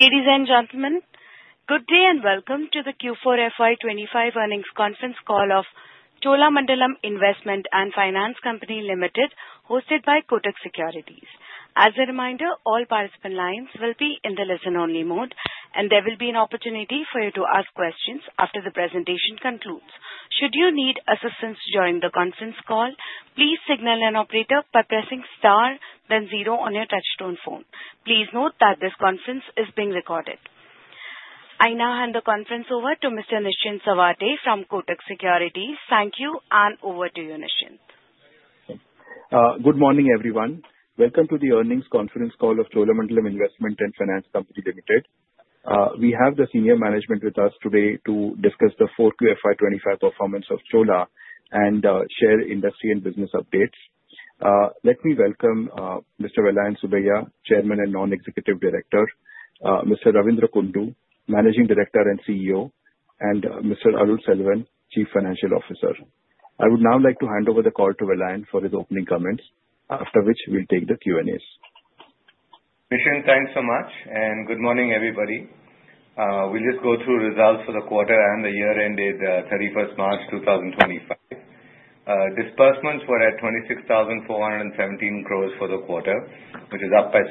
Ladies and gentlemen, good day and welcome to the Q4FY25 Earnings Conference Call of Cholamandalam Investment and Finance Company Limited, hosted by Kotak Securities. As a reminder, all participant lines will be in the listen-only mode, and there will be an opportunity for you to ask questions after the presentation concludes. Should you need assistance during the conference call, please signal an operator by pressing star, then zero on your touch-tone phone. Please note that this conference is being recorded. I now hand the conference over to Mr. Nischint Chawathe from Kotak Securities. Thank you, and over to you, Nischint. Good morning, everyone. Welcome to the Earnings Conference Call of Cholamandalam Investment and Finance Company Limited. We have the senior management with us today to discuss the 4QFY25 performance of Chola and share industry and business updates. Let me welcome Mr. Vellayan Subbiah, Chairman and Non-Executive Director, Mr. Ravindra Kundu, Managing Director and CEO, and Mr. Arul Selvan, Chief Financial Officer. I would now like to hand over the call to Vellayan for his opening comments, after which we'll take the Q&As. Nischint, thanks so much, and good morning, everybody. We'll just go through results for the quarter and the year-end date: 31 March 2025. Disbursements were at 26,417 crore for the quarter, which is up by 7%,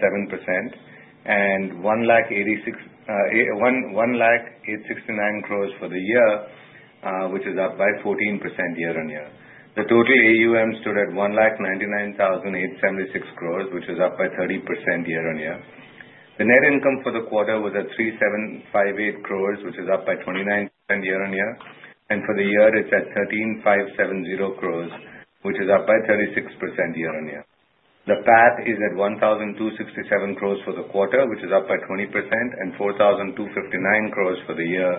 and 1,86,917 crore for the year, which is up by 14% year-on-year. The total AUM stood at 1,99,876 crore, which is up by 30% year-on-year. The net income for the quarter was at 3,758 crore, which is up by 29% year-on-year, and for the year, it's at 13,570 crore, which is up by 36% year-on-year. The PAT is at 1,267 crore for the quarter, which is up by 20%, and 4,259 crore for the year,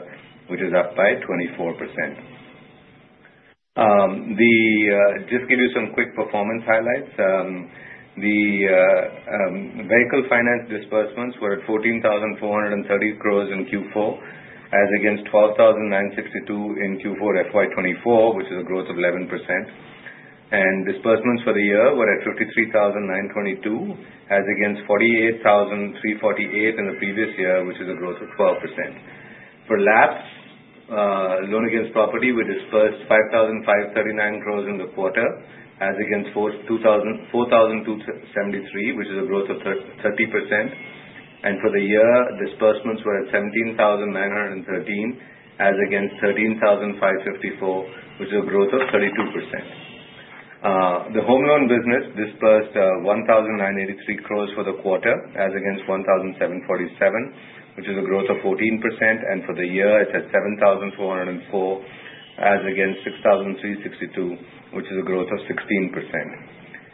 which is up by 24%. Just to give you some quick performance highlights, the vehicle finance disbursements were at 14,430 crore in Q4, as against 12,962 crore in Q4 2024, which is a growth of 11%. Disbursements for the year were at 53,922 crore, as against 48,348 crore in the previous year, which is a growth of 12%. For LAP, loan against property, we disbursed 5,539 crore in the quarter, as against 4,273 crore, which is a growth of 30%. For the year, disbursements were at 17,913 crore, as against 13,554 crore, which is a growth of 32%. The home loan business disbursed 1,983 crore for the quarter, as against 1,747 crore, which is a growth of 14%. For the year, it is at 7,404 crore, as against 6,362 crore, which is a growth of 16%.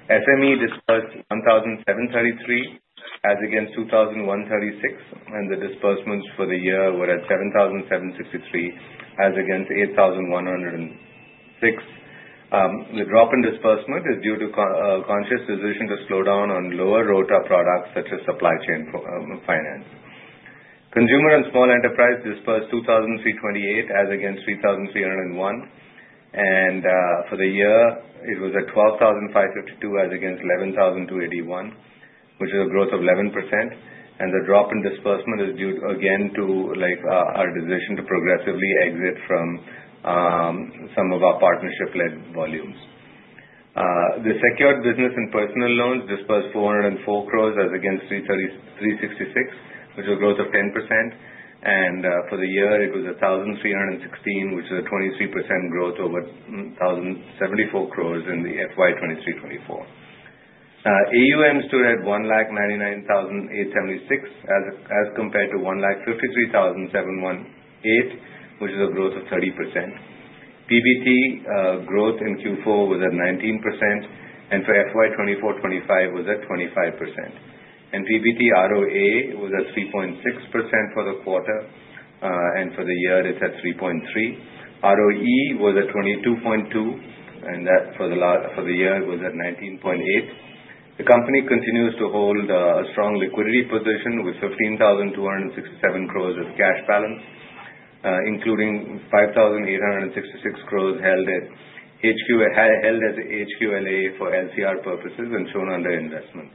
SME disbursed 1,733 crore, as against 2,136 crore, and the disbursements for the year were at 7,763 crore, as against 8,106 crore. The drop in disbursement is due to a conscious decision to slow down on lower ROTA products such as supply chain finance. Consumer and small enterprise disbursed 2,328 crore, as against 3,301 crore. For the year, it was at 12,552 crore, as against 11,281 crore, which is a growth of 11%. The drop in disbursement is due again to our decision to progressively exit from some of our partnership-led volumes. The secured business and personal loans disbursed 404 crore, as against 366 crore, which is a growth of 10%. For the year, it was 1,316 crore, which is a 23% growth over 1,074 crore in the financial year 2023-2024. AUM stood at 199,876 million, as compared to 153,718 million, which is a growth of 30%. PBT growth in Q4 was at 19%, and for financial year 2024-2025, it was at 25%. PBT ROA was at 3.6% for the quarter, and for the year, it is at 3.3%. ROE was at 22.2%, and that for the year was at 19.8%. The company continues to hold a strong liquidity position with 15,267 crore as cash balance, including 5,866 crore held as HQLA for LCR purposes and shown under investment.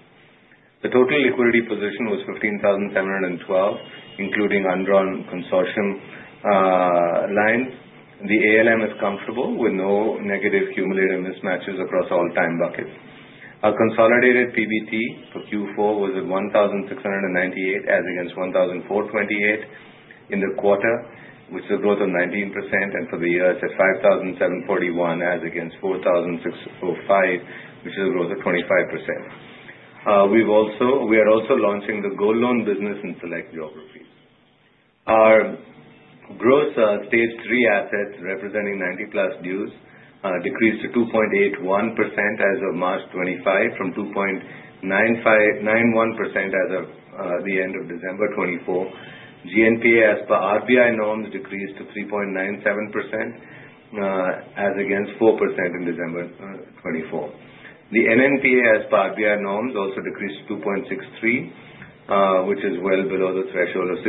The total liquidity position was 15,712 crore, including undrawn consortium lines. The ALM is comfortable with no negative cumulative mismatches across all time buckets. Our consolidated PBT for Q4 was at 1,698 crore, as against 1,428 crore in the quarter, which is a growth of 19%. For the year, it is at 5,741 crore, as against 4,605 crore, which is a growth of 25%. We are also launching the gold loan business in select geographies. Our gross stage three assets, representing 90-plus dues, decreased to 2.81% as of March 2025, from 2.91% as of the end of December 2024. GNPA, as per RBI norms, decreased to 3.97%, as against 4% in December 2024. The NNPA, as per RBI norms, also decreased to 2.63%, which is well below the threshold of 6%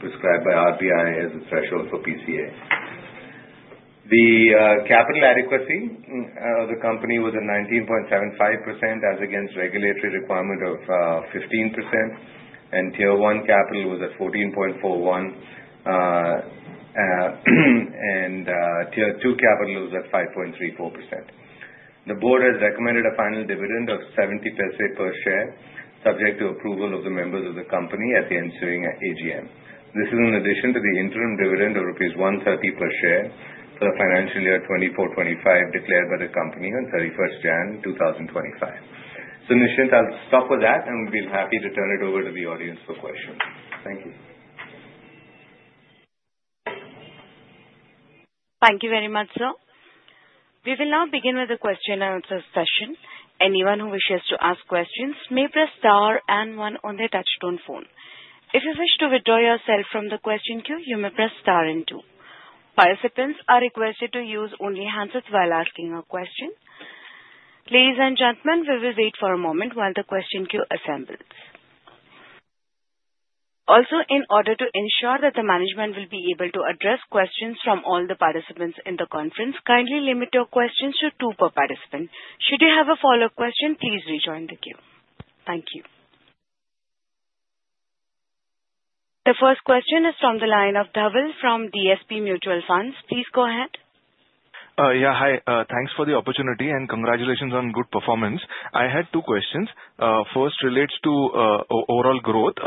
prescribed by RBI as the threshold for PCA. The capital adequacy of the company was at 19.75%, as against regulatory requirement of 15%. Tier one capital was at 14.41%, and tier two capital was at 5.34%. The board has recommended a final dividend of 0.70 per share, subject to approval of the members of the company at the ensuing AGM. This is in addition to the interim dividend of INR 130 per share for the financial year 2024-2025 declared by the company on 31st January 2025. Nischint, I'll stop with that, and we'll be happy to turn it over to the audience for questions. Thank you. Thank you very much, sir. We will now begin with the question-and-answer session. Anyone who wishes to ask questions may press star and one on their touch-stone phone. If you wish to withdraw yourself from the question queue, you may press star and two. Participants are requested to use only handsets while asking a question. Ladies and gentlemen, we will wait for a moment while the question queue assembles. Also, in order to ensure that the management will be able to address questions from all the participants in the conference, kindly limit your questions to two per participant. Should you have a follow-up question, please rejoin the queue. Thank you. The first question is from the line of Dhaval from DSP Mutual Fund. Please go ahead. Yeah, hi. Thanks for the opportunity, and congratulations on good performance. I had two questions. First relates to overall growth.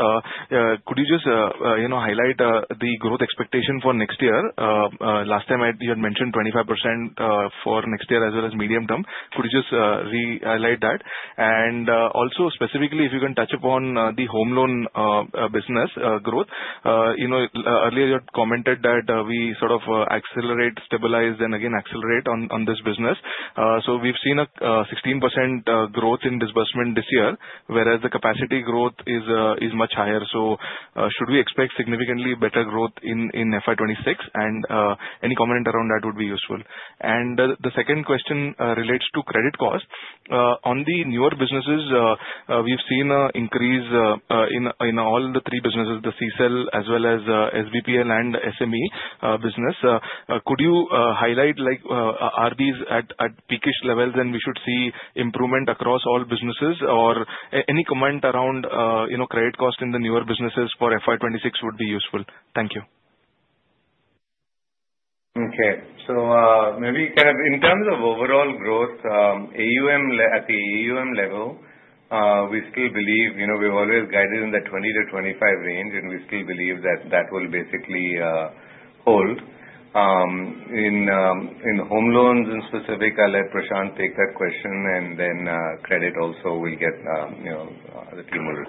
Could you just highlight the growth expectation for next year? Last time, you had mentioned 25% for next year as well as medium term. Could you just re-highlight that? Also, specifically, if you can touch upon the home loan business growth. Earlier, you had commented that we sort of accelerate, stabilize, then again accelerate on this business. We have seen a 16% growth in disbursement this year, whereas the capacity growth is much higher. Should we expect significantly better growth in FY2026? Any comment around that would be useful. The second question relates to credit cost. On the newer businesses, we have seen an increase in all the three businesses, the CSEL as well as SBPL and SME business. Could you highlight RBs at peakish levels, and we should see improvement across all businesses? Or any comment around credit cost in the newer businesses for FY 2026 would be useful. Thank you. Okay. Maybe kind of in terms of overall growth, at the AUM level, we still believe we've always guided in the 20-25% range, and we still believe that that will basically hold. In home loans in specific, I'll let Prashant take that question, and then credit also will get the team will.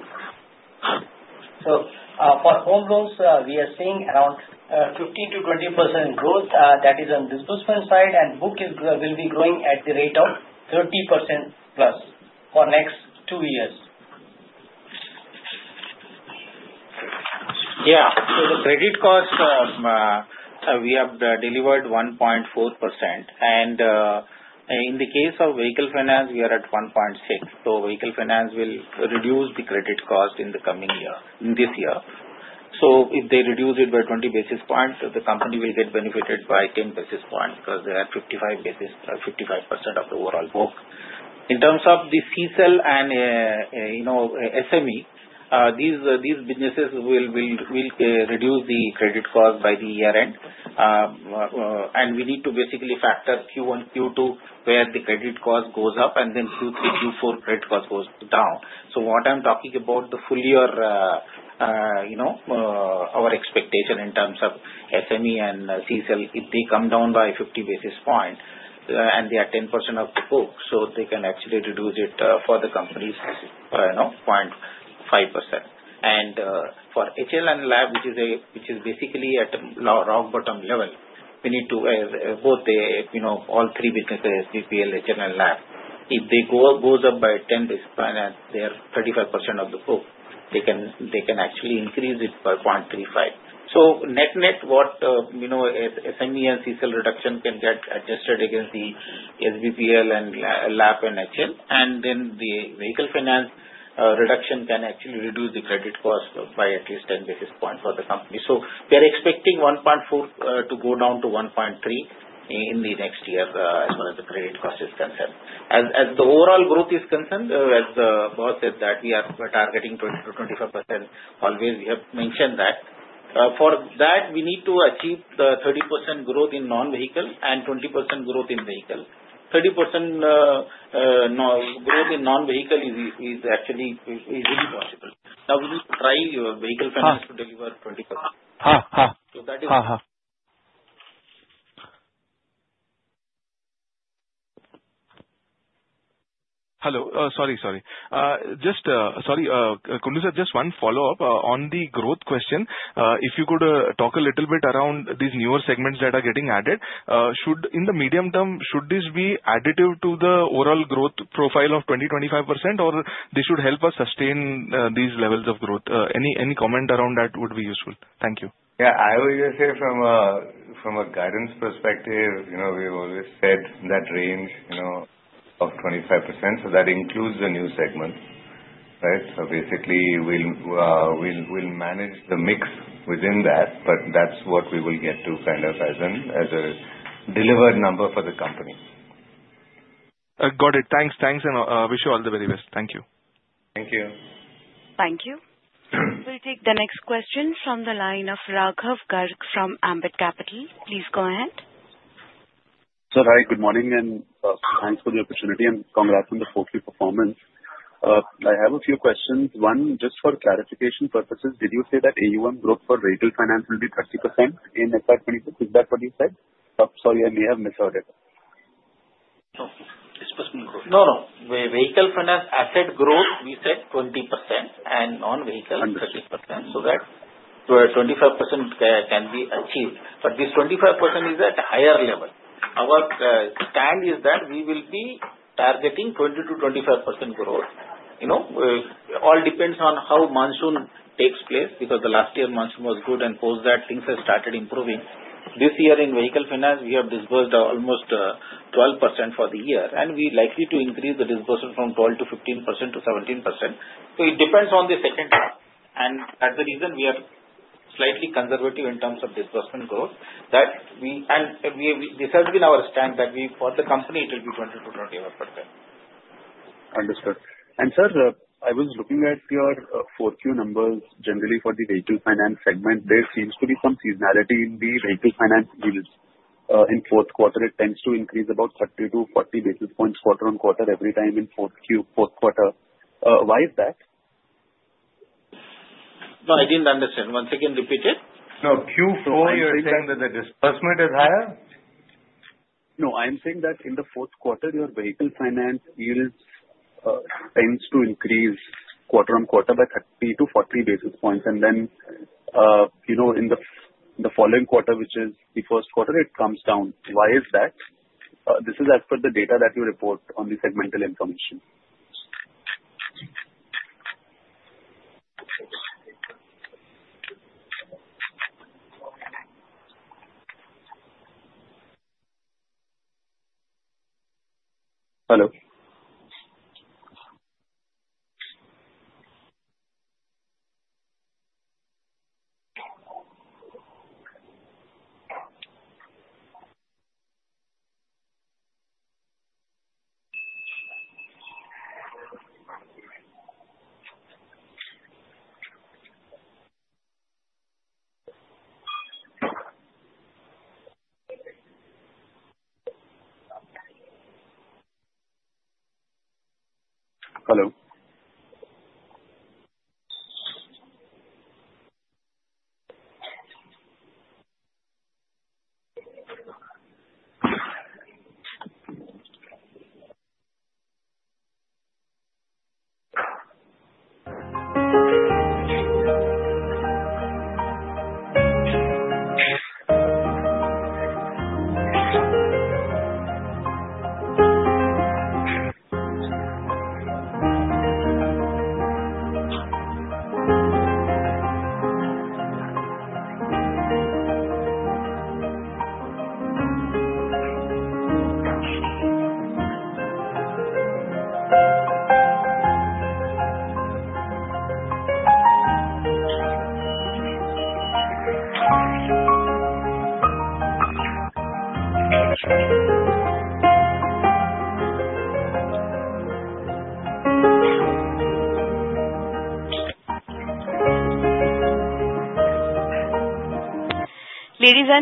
For home loans, we are seeing around 15%-20% growth. That is on disbursement side, and book will be growing at the rate of 30% plus for next two years. Yeah. So the credit cost, we have delivered 1.4%. And in the case of vehicle finance, we are at 1.6%. Vehicle finance will reduce the credit cost in this year. If they reduce it by 20 basis points, the company will get benefited by 10 basis points because they are 55% of the overall book. In terms of the CSEL and SME, these businesses will reduce the credit cost by the year-end. We need to basically factor Q1, Q2, where the credit cost goes up, and then Q3, Q4, credit cost goes down. What I am talking about, the full year our expectation in terms of SME and CSEL, if they come down by 50 basis points and they are 10% of the book, they can actually reduce it for the company's 0.5%. For HL and Lab, which is basically at rock bottom level, we need to both all three businesses, SBPL, HL, and Lab, if they go up by 10 basis points and they are 35% of the book, they can actually increase it by 0.35. Net-net, what SME and CSEL reduction can get adjusted against the SBPL and Lab and HL, and then the vehicle finance reduction can actually reduce the credit cost by at least 10 basis points for the company. We are expecting 1.4 to go down to 1.3 in the next year as far as the credit cost is concerned. As the overall growth is concerned, as the boss said, we are targeting 20-25% always. We have mentioned that. For that, we need to achieve the 30% growth in non-vehicle and 20% growth in vehicle. 30% growth in non-vehicle is actually easily possible. Now, we need to try vehicle finance to deliver 20%. That is. Hello. Sorry, sorry. Just sorry, Kundu sir, just one follow-up on the growth question. If you could talk a little bit around these newer segments that are getting added, in the medium term, should this be additive to the overall growth profile of 20-25%, or this should help us sustain these levels of growth? Any comment around that would be useful. Thank you. Yeah. I always say from a guidance perspective, we have always said that range of 25%, so that includes the new segment, right? Basically, we'll manage the mix within that, but that's what we will get to kind of as a delivered number for the company. Got it. Thanks. Thanks, and I wish you all the very best. Thank you. Thank you. Thank you. We'll take the next question from the line of Raghav Garg from Ambit Capital. Please go ahead. Sir, hi. Good morning, and thanks for the opportunity and congrats on the 4Q performance. I have a few questions. One, just for clarification purposes, did you say that AUM growth for vehicle finance will be 30% in FY2026? Is that what you said? Sorry, I may have misheard it. No, it's personal growth. No, no. Vehicle finance asset growth, we said 20%, and non-vehicle 30%. So that 25% can be achieved. This 25% is at a higher level. Our stand is that we will be targeting 20-25% growth. All depends on how monsoon takes place because last year, monsoon was good, and post that, things have started improving. This year, in vehicle finance, we have disbursed almost 12% for the year, and we're likely to increase the disbursement from 12-15% to 17%. It depends on the second term. That is the reason we are slightly conservative in terms of disbursement growth. This has been our stand that for the company, it will be 20-25%. Understood. Sir, I was looking at your 4Q numbers. Generally, for the vehicle finance segment, there seems to be some seasonality in the vehicle finance yields. In Q4, it tends to increase about 30-40 basis points quarter on quarter every time in Q4. Why is that? No, I didn't understand. Once again, repeat it. No, Q4, you're saying that the disbursement is higher? No, I'm saying that in the Q4, your vehicle finance yields tends to increase quarter on quarter by 30-40 basis points. And then in the following quarter, which is the Q1, it comes down. Why is that? This is as per the data that you report on the segmental information.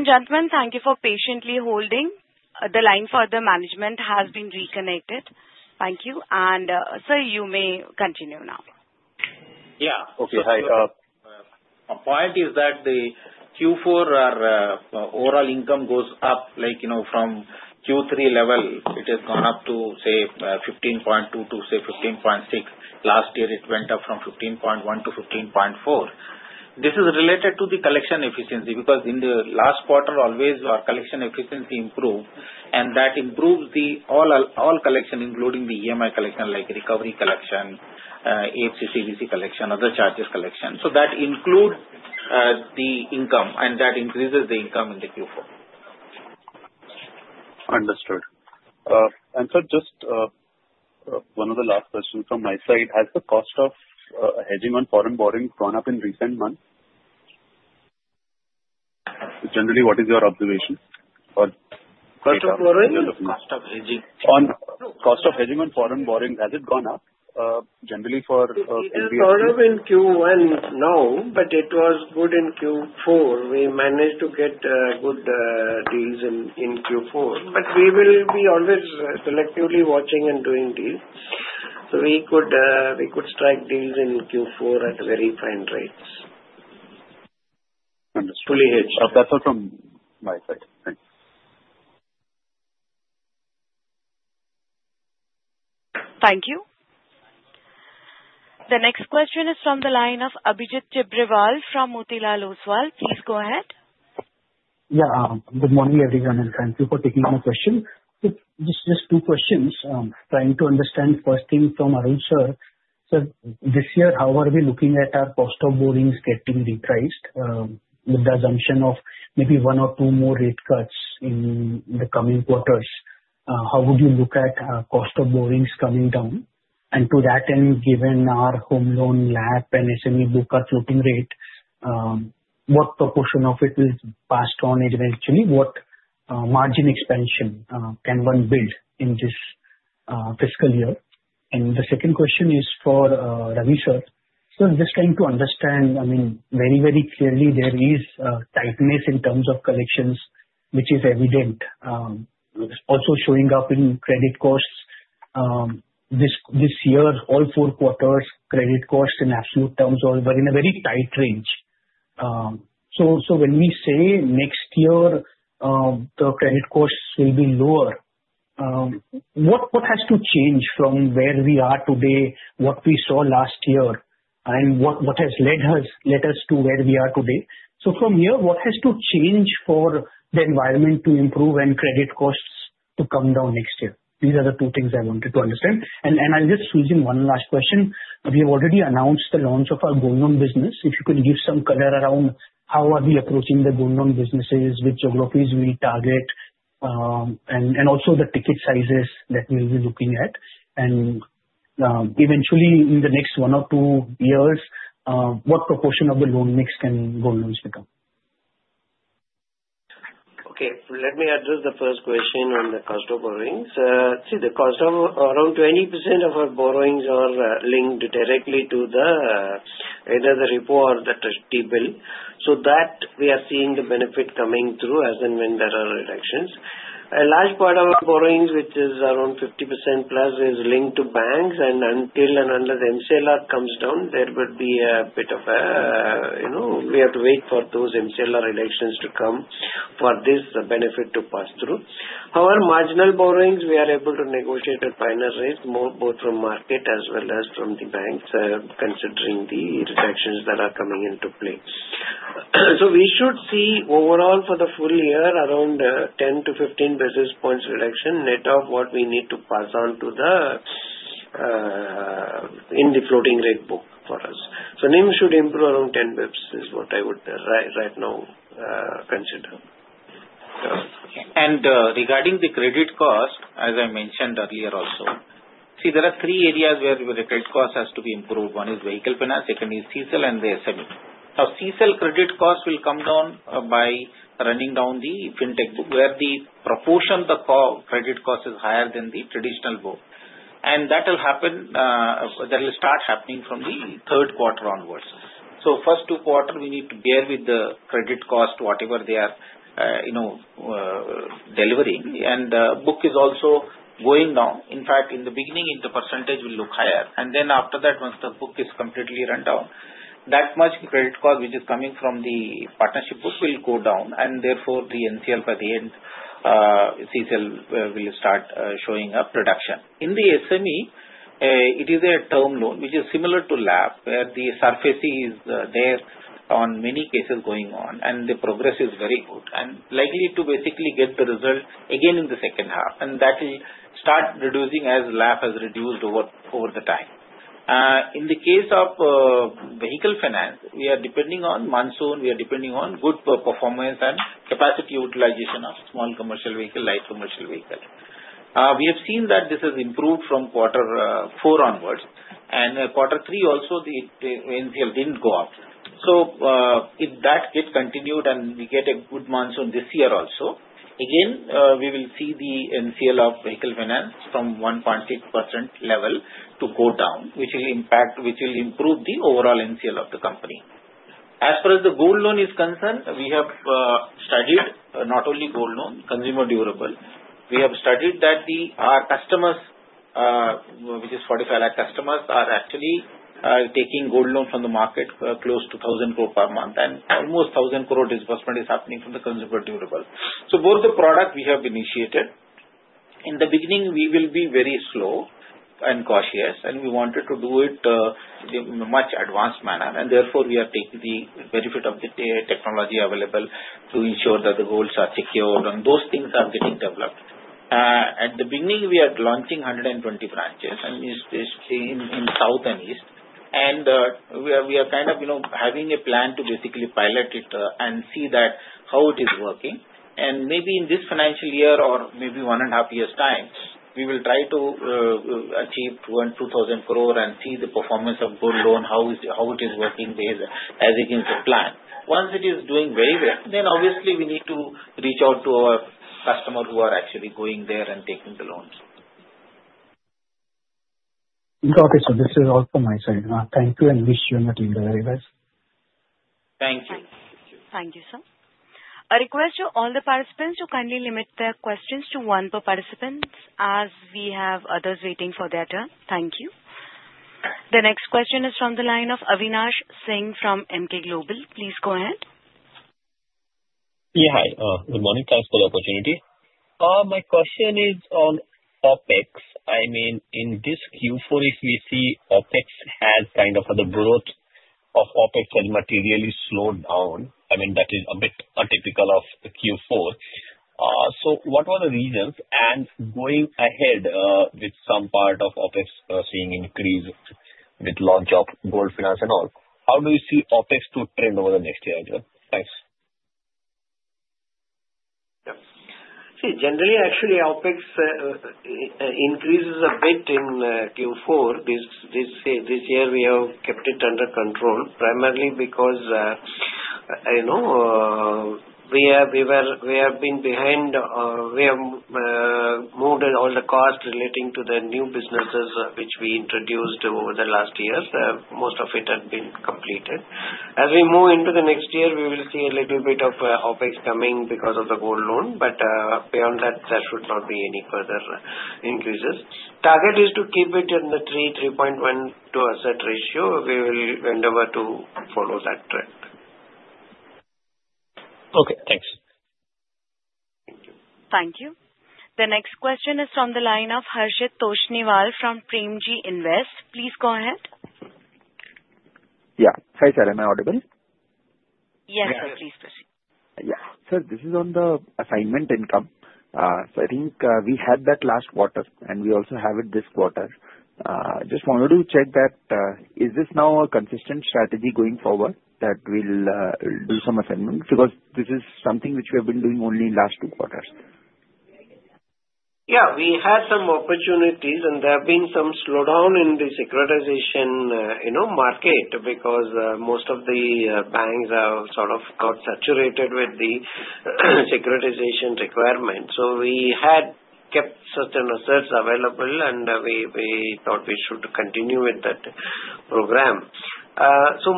gentlemen, thank you for patiently holding. The line for the management has been reconnected. Thank you. Sir, you may continue now. Yeah. Okay. Hi. Complaint is that the Q4 overall income goes up from Q3 level. It has gone up to, say, 15.2 to, say, 15.6. Last year, it went up from 15.1 to 15.4. This is related to the collection efficiency because in the last quarter, always our collection efficiency improved, and that improves all collection, including the EMI collection, like recovery collection, HCCBC collection, other charges collection. That includes the income, and that increases the income in the Q4. Understood. Sir, just one of the last questions from my side. Has the cost of hedging on foreign borrowing gone up in recent months? Generally, what is your observation? Or cost of borrowing? Cost of hedging. Cost of hedging on foreign borrowing, has it gone up? Generally, for. is sort of in Q1 now, but it was good in Q4. We managed to get good deals in Q4. We will be always selectively watching and doing deals. We could strike deals in Q4 at very fine rates. Understood. Fully hedged. That's all from my side. Thanks. Thank you. The next question is from the line of Abhijit Tebrewal from Motilal Oswal. Please go ahead. Yeah. Good morning, everyone, and thank you for taking my question. Just two questions. Trying to understand first thing from Arul sir. Sir, this year, how are we looking at our cost of borrowings getting repriced with the assumption of maybe one or two more rate cuts in the coming quarters? How would you look at cost of borrowings coming down? To that end, given our home loan, loan against property, and SME book are floating rate, what proportion of it will pass on eventually? What margin expansion can one build in this fiscal year? The second question is for Ravi sir. Sir, just trying to understand. I mean, very, very clearly, there is tightness in terms of collections, which is evident, also showing up in credit costs. This year, all four quarters, credit costs in absolute terms were in a very tight range. When we say next year, the credit costs will be lower, what has to change from where we are today, what we saw last year, and what has led us to where we are today? From here, what has to change for the environment to improve and credit costs to come down next year? These are the two things I wanted to understand. I'll just squeeze in one last question. We have already announced the launch of our gold loan business. If you can give some color around how we are approaching the gold loan business, which geographies we target, and also the ticket sizes that we will be looking at. Eventually, in the next one or two years, what proportion of the loan mix can golds become? Okay. Let me address the first question on the cost of borrowings. See, around 20% of our borrowings are linked directly to either the repo or the T-bill. That we are seeing the benefit coming through as in vendor reductions. A large part of our borrowings, which is around 50% plus, is linked to banks. Until and unless MCLR comes down, we have to wait for those MCLR reductions to come for this benefit to pass through. However, marginal borrowings, we are able to negotiate at finer rates, both from market as well as from the banks, considering the reductions that are coming into play. We should see overall for the full year, around 10-15 basis points reduction net of what we need to pass on to the floating rate book for us. NIM should improve around 10 basis points is what I would right now consider. Regarding the credit cost, as I mentioned earlier also, see, there are three areas where the credit cost has to be improved. One is vehicle finance, second is CSEL, and the SME. Now, CSEL credit cost will come down by running down the fintech book, where the proportion of the credit cost is higher than the traditional book. That will happen, that will start happening from the Q3 onwards. The first two quarters, we need to bear with the credit cost, whatever they are delivering. The book is also going down. In fact, in the beginning, the percentage will look higher. After that, once the book is completely run down, that much credit cost, which is coming from the partnership book, will go down. Therefore, the NCL by the end, CSEL will start showing up reduction. In the SME, it is a term loan, which is similar to lab, where the SARFAESI is there on many cases going on, and the progress is very good and likely to basically get the result again in the second half. That will start reducing as lab has reduced over the time. In the case of vehicle finance, we are depending on monsoon. We are depending on good performance and capacity utilization of small commercial vehicle, light commercial vehicle. We have seen that this has improved from quarter four onwards. Quarter three also, the NCL did not go up. If that gets continued and we get a good monsoon this year also, again, we will see the NCL of vehicle finance from 1.6% level go down, which will improve the overall NCL of the company. As far as the gold loan is concerned, we have studied not only gold loan, consumer durable. We have studied that our customers, which is 4.5 million customers, are actually taking gold loan from the market close to 1,000 crore per month, and almost 1,000 crore disbursement is happening from the consumer durable. Both the products we have initiated, in the beginning, we will be very slow and cautious, and we wanted to do it in a much advanced manner. We are taking the benefit of the technology available to ensure that the golds are secured, and those things are getting developed. At the beginning, we are launching 120 branches, and it is basically in South and East. We are kind of having a plan to basically pilot it and see how it is working. Maybe in this financial year or maybe one and a half years' time, we will try to achieve 2,000 crore and see the performance of gold loans, how it is working as against the plan. Once it is doing very well, then obviously, we need to reach out to our customers who are actually going there and taking the loans. Okay. This is all from my side. Thank you, and wish you a good evening very much. Thank you. Thank you, sir. A request to all the participants to kindly limit their questions to one per participant as we have others waiting for their turn. Thank you. The next question is from the line of Avinash Singh from Emkay Global. Please go ahead. Yeah. Hi. Good morning. Thanks for the opportunity. My question is on OPEX. I mean, in this Q4, if we see OPEX has kind of, the growth of OPEX has materially slowed down. I mean, that is a bit atypical of Q4. What were the reasons? Going ahead, with some part of OPEX seeing increase with launch of gold finance and all, how do you see OPEX to trend over the next year as well? Thanks. See, generally, actually, OPEX increases a bit in Q4. This year, we have kept it under control primarily because we have been behind. We have moved all the costs relating to the new businesses which we introduced over the last year. Most of it had been completed. As we move into the next year, we will see a little bit of OPEX coming because of the gold loan. Beyond that, there should not be any further increases. Target is to keep it in the 3-3.1 to asset ratio. We will bend over to follow that trend. Okay. Thanks. Thank you. Thank you. The next question is from the line of Harshit Toshniwal from Premji Invest. Please go ahead. Yeah. Hi, sir. Am I audible? Yes, sir. Please proceed. Yeah. Sir, this is on the assignment income. I think we had that last quarter, and we also have it this quarter. Just wanted to check that. Is this now a consistent strategy going forward that we'll do some assignment? Because this is something which we have been doing only in the last two quarters. Yeah. We had some opportunities, and there have been some slowdown in the securitization market because most of the banks are sort of outsaturated with the securitization requirement. We had kept certain assets available, and we thought we should continue with that program.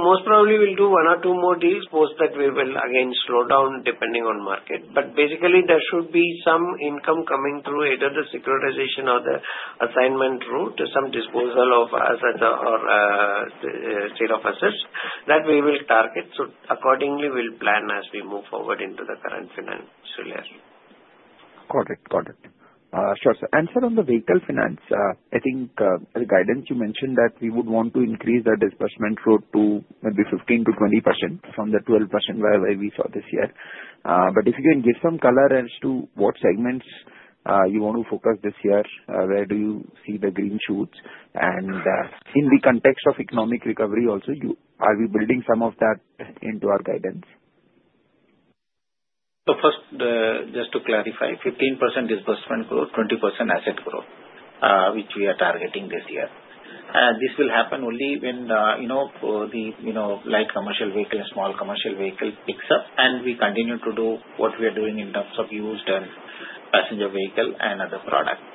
Most probably, we'll do one or two more deals, both that we will again slow down depending on market. Basically, there should be some income coming through either the securitization or the assignment route, some disposal of assets or state of assets that we will target. Accordingly, we'll plan as we move forward into the current financial year. Got it. Got it. Sure. Sir, answer on the vehicle finance, I think the guidance you mentioned that we would want to increase the disbursement growth to maybe 15%-20% from the 12% where we saw this year. If you can give some color as to what segments you want to focus this year, where do you see the green shoots? In the context of economic recovery also, are we building some of that into our guidance? First, just to clarify, 15% disbursement growth, 20% asset growth, which we are targeting this year. This will happen only when the light commercial vehicle and small commercial vehicle picks up, and we continue to do what we are doing in terms of used and passenger vehicle and other products.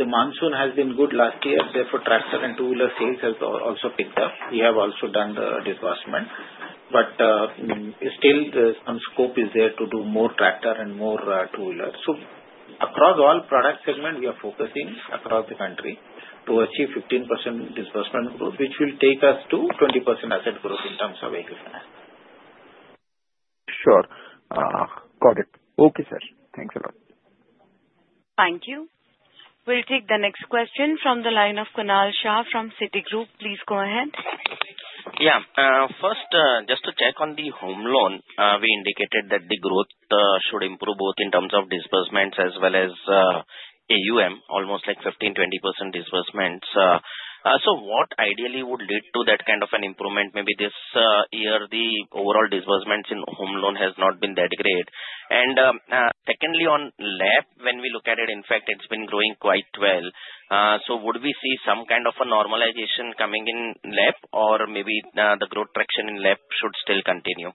The monsoon has been good last year. Therefore, tractor and two-wheeler sales have also picked up. We have also done the disbursement. Still, some scope is there to do more tractor and more two-wheeler. Across all product segment, we are focusing across the country to achieve 15% disbursement growth, which will take us to 20% asset growth in terms of vehicle finance. Sure. Got it. Okay, sir. Thanks a lot. Thank you. We'll take the next question from the line of Kunal Shah from Citigroup. Please go ahead. Yeah. First, just to check on the home loan, we indicated that the growth should improve both in terms of disbursements as well as AUM, almost like 15%-20% disbursements. What ideally would lead to that kind of an improvement? Maybe this year, the overall disbursements in home loan has not been that great. Secondly, on lab, when we look at it, in fact, it's been growing quite well. Would we see some kind of a normalization coming in lab, or maybe the growth traction in lab should still continue?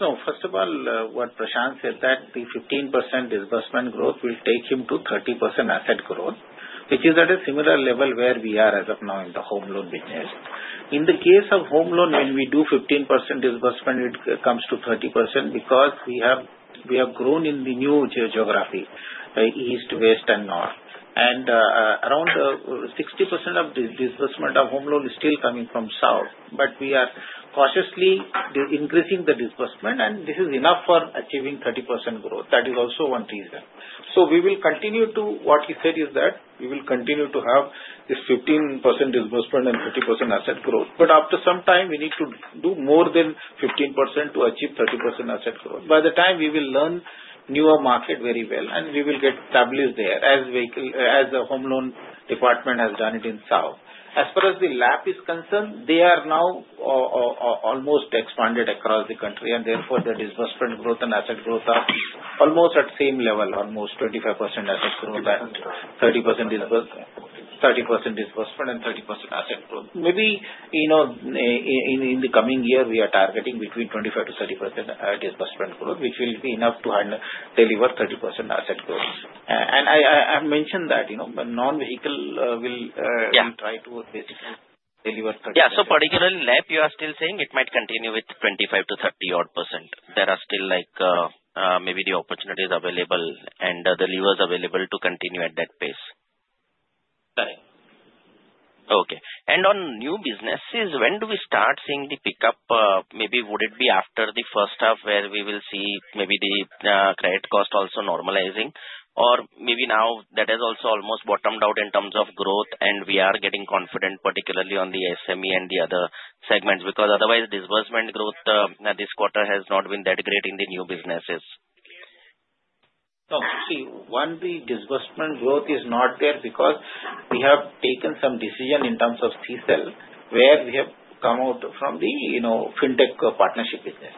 No. First of all, what Prashant said, that the 15% disbursement growth will take him to 30% asset growth, which is at a similar level where we are as of now in the home loan business. In the case of home loan, when we do 15% disbursement, it comes to 30% because we have grown in the new geography, east, west, and north. Around 60% of the disbursement of home loan is still coming from south, but we are cautiously increasing the disbursement, and this is enough for achieving 30% growth. That is also one reason. We will continue to what he said is that we will continue to have this 15% disbursement and 30% asset growth. After some time, we need to do more than 15% to achieve 30% asset growth. By the time, we will learn newer market very well, and we will get established there as the home loan department has done it in South. As far as the LAP is concerned, they are now almost expanded across the country, and therefore, the disbursement growth and asset growth are almost at same level, almost 25% asset growth and 30% disbursement and 30% asset growth. Maybe in the coming year, we are targeting between 25-30% disbursement growth, which will be enough to deliver 30% asset growth. I mentioned that non-vehicle will try to basically deliver 30%. Yeah. Particularly, loan against property, you are still saying it might continue with 25%-30%. There are still maybe the opportunities available and the levers available to continue at that pace. Correct. Okay. On new businesses, when do we start seeing the pickup? Maybe would it be after the first half where we will see maybe the credit cost also normalizing, or maybe now that has also almost bottomed out in terms of growth, and we are getting confident, particularly on the SME and the other segments? Because otherwise, disbursement growth this quarter has not been that great in the new businesses. No. See, when the disbursement growth is not there because we have taken some decision in terms of CSEL, where we have come out from the fintech partnership business.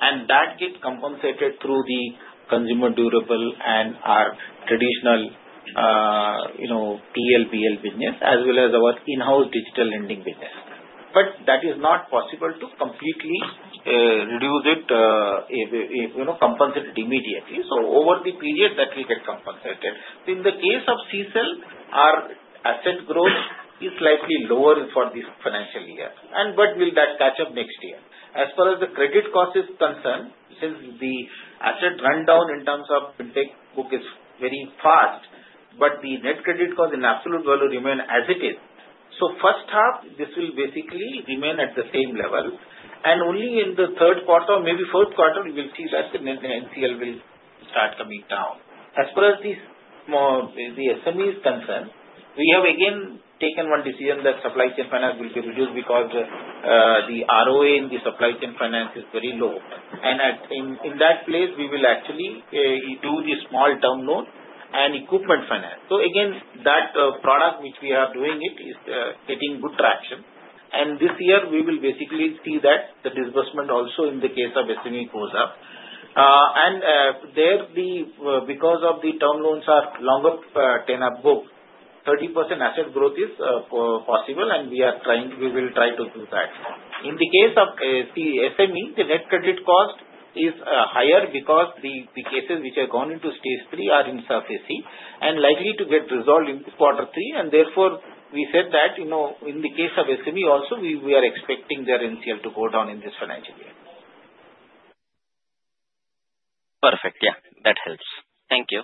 That gets compensated through the consumer durable and our traditional PLBL business, as well as our in-house digital lending business. That is not possible to completely reduce it, compensate it immediately. Over the period, that will get compensated. In the case of CSEL, our asset growth is slightly lower for this financial year. Will that catch up next year? As far as the credit cost is concerned, since the asset rundown in terms of fintech book is very fast, the net credit cost in absolute value remains as it is. First half, this will basically remain at the same level. Only in the Q3 or maybe Q4, we will see that the NCL will start coming down. As far as the SME is concerned, we have again taken one decision that supply chain finance will be reduced because the ROA in the supply chain finance is very low. In that place, we will actually do the small download and equipment finance. That product which we are doing is getting good traction. This year, we will basically see that the disbursement also in the case of SME goes up. Because the term loans are longer tenure book, 30% asset growth is possible, and we will try to do that. In the case of SME, the net credit cost is higher because the cases which are going into stage three are in SARFAESI and likely to get resolved in quarter three. Therefore, we said that in the case of SME also, we are expecting their NCL to go down in this financial year. Perfect. Yeah. That helps. Thank you.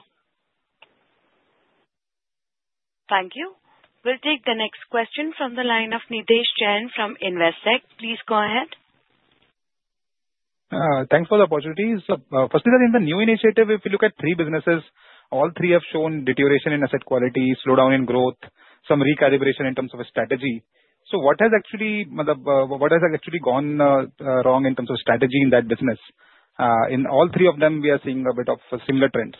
Thank you. We'll take the next question from the line of Nidhesh Jain from Investec. Please go ahead. Thanks for the opportunity. Firstly, sir, in the new initiative, if we look at three businesses, all three have shown deterioration in asset quality, slowdown in growth, some recalibration in terms of a strategy. What has actually gone wrong in terms of strategy in that business? In all three of them, we are seeing a bit of similar trends.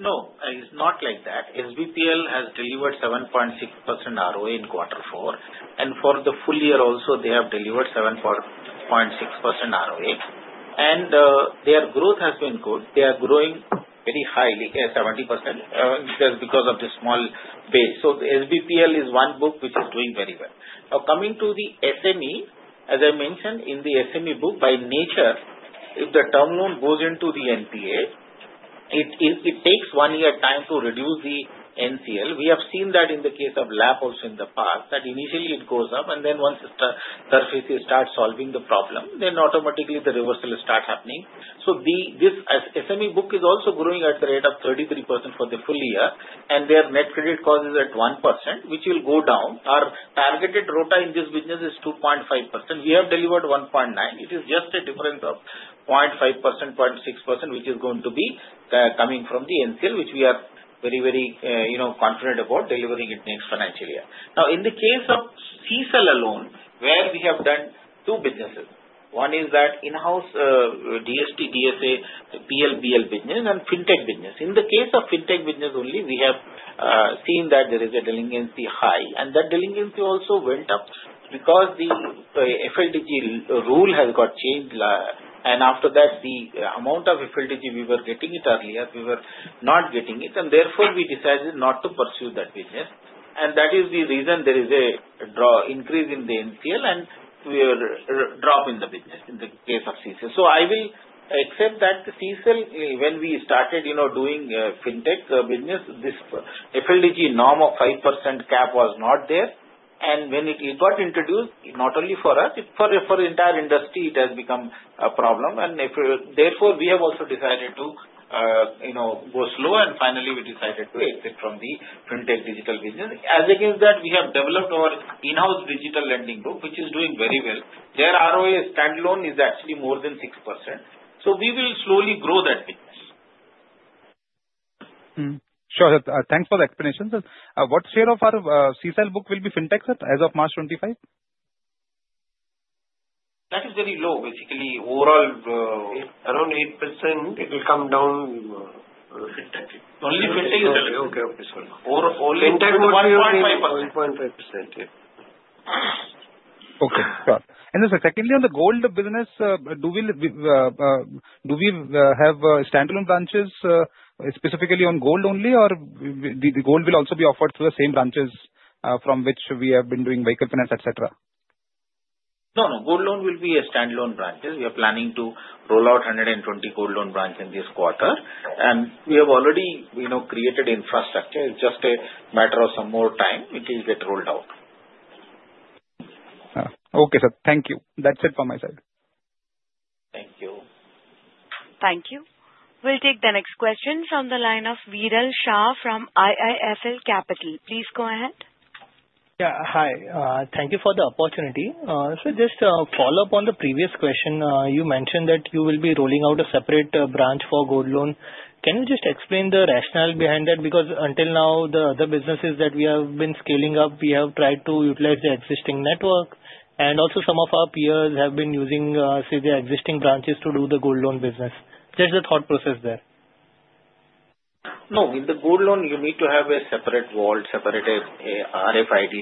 No. It's not like that. SBPL has delivered 7.6% ROA in quarter four. For the full year also, they have delivered 7.6% ROA. Their growth has been good. They are growing very highly, 70%, just because of the small base. SBPL is one book which is doing very well. Now, coming to the SME, as I mentioned, in the SME book, by nature, if the term loan goes into the NPA, it takes one year time to reduce the NCL. We have seen that in the case of LAP also in the past, that initially it goes up, and then once SARFAESI starts solving the problem, automatically the reversal starts happening. This SME book is also growing at the rate of 33% for the full year, and their net credit cost is at 1%, which will go down. Our targeted ROTA in this business is 2.5%. We have delivered 1.9%. It is just a difference of 0.5%-0.6%, which is going to be coming from the NCL, which we are very, very confident about delivering next financial year. Now, in the case of CSEL alone, where we have done two businesses. One is that in-house DST, DSA, PLBL business, and fintech business. In the case of fintech business only, we have seen that there is a delinquency high, and that delinquency also went up because the FLDG rule has got changed. After that, the amount of FLDG we were getting earlier, we were not getting it. Therefore, we decided not to pursue that business. That is the reason there is an increase in the NCL and drop in the business in the case of CSEL. I will accept that CSEL, when we started doing fintech business, this FLDG norm of 5% cap was not there. When it got introduced, not only for us, for the entire industry, it has become a problem. Therefore, we have also decided to go slow, and finally, we decided to exit from the fintech digital business. As against that, we have developed our in-house digital lending group, which is doing very well. Their ROA standalone is actually more than 6%. We will slowly grow that business. Sure. Thanks for the explanations. What share of our CSEL book will be fintech as of March 2025? That is very low, basically. Overall, around 8%, it will come down. Fintech, only fintech is delinquent. Okay. Okay. Sorry. Fintech is only 1.5%. 1.5%. Yeah. Okay. Sir, secondly, on the gold business, do we have standalone branches specifically on gold only, or will gold also be offered through the same branches from which we have been doing vehicle finance, etc.? No. No. Gold loan will be a standalone branch. We are planning to roll out 120 gold loan branches this quarter. We have already created infrastructure. It is just a matter of some more time. It will get rolled out. Okay. Sir, thank you. That's it from my side. Thank you. Thank you. We'll take the next question from the line of Viral Shah from IIFL Capital. Please go ahead. Yeah. Hi. Thank you for the opportunity. Sir, just a follow-up on the previous question. You mentioned that you will be rolling out a separate branch for gold loan. Can you just explain the rationale behind that? Because until now, the other businesses that we have been scaling up, we have tried to utilize the existing network. Also, some of our peers have been using the existing branches to do the gold loan business. Just the thought process there. No. With the gold loan, you need to have a separate vault, separate RFID.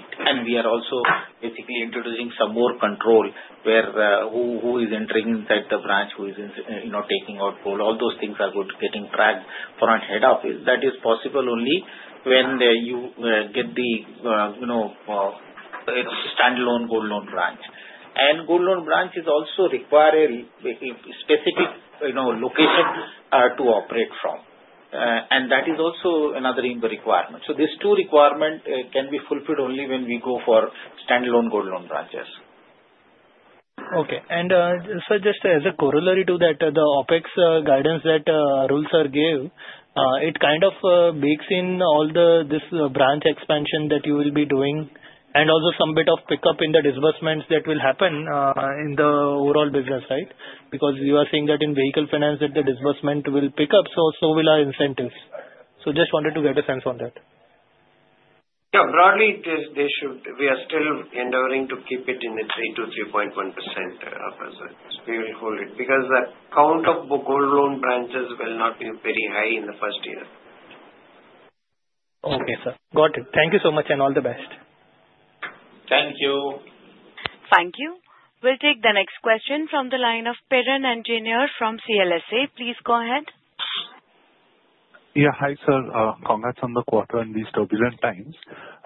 We are also basically introducing some more control where who is entering inside the branch, who is taking out gold. All those things are getting tracked front head up. That is possible only when you get the standalone gold loan branch. Gold loan branch also requires a specific location to operate from. That is also another requirement. These two requirements can be fulfilled only when we go for standalone gold loan branches. Okay. Sir, just as a corollary to that, the OPEX guidance that Arul sir gave, it kind of bakes in all this branch expansion that you will be doing and also some bit of pickup in the disbursements that will happen in the overall business, right? Because you are seeing that in vehicle finance, that the disbursement will pick up, so will our incentives. Just wanted to get a sense on that. Yeah. Broadly, we are still endeavoring to keep it in the 3% to 3.1%. We will hold it because the count of gold loan branches will not be very high in the first year. Okay, sir. Got it. Thank you so much and all the best. Thank you. Thank you. We'll take the next question from the line of Piran Engineer from CLSA. Please go ahead. Yeah. Hi, sir. Congrats on the quarter and these turbulent times.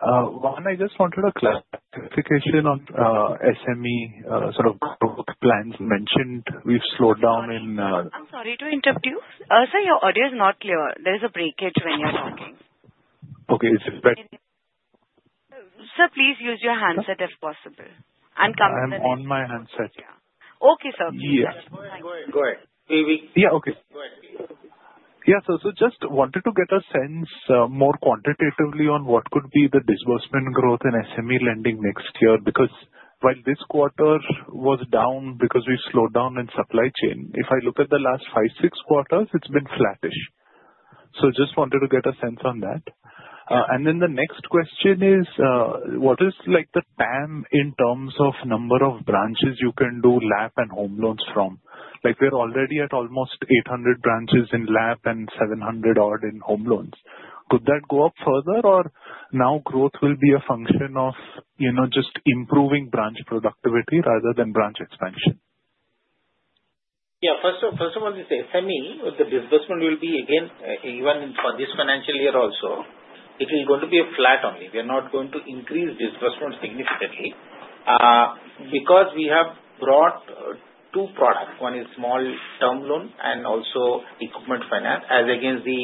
One, I just wanted a clarification on SME sort of growth plans mentioned. We've slowed down in. I'm sorry to interrupt you. Sir, your audio is not clear. There is a breakage when you're talking. Okay. Sir, please use your handset if possible. I'm coming to the. I'm on my handset. Yeah. Okay, sir. Yeah. Go ahead. Yeah. Okay. Yeah. Just wanted to get a sense more quantitatively on what could be the disbursement growth in SME lending next year because while this quarter was down because we slowed down in supply chain, if I look at the last five-six quarters, it's been flattish. Just wanted to get a sense on that. The next question is, what is the TAM in terms of number of branches you can do loan against property and home loans from? We are already at almost 800 branches in loan against property and 700-odd in home loans. Could that go up further, or now growth will be a function of just improving branch productivity rather than branch expansion? Yeah. First of all, the SME, the disbursement will be again, even for this financial year also, it is going to be flat only. We are not going to increase disbursement significantly because we have brought two products. One is small term loan and also equipment finance as against the